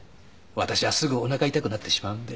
私はすぐおなか痛くなってしまうので。